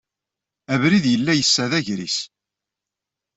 Abrid yella yessa d agris.